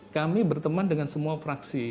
kami berteman dengan semua fraksi